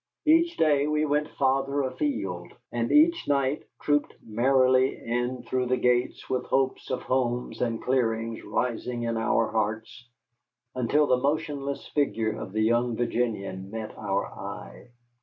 Each day we went farther afield, and each night trooped merrily in through the gates with hopes of homes and clearings rising in our hearts until the motionless figure of the young Virginian met our eye.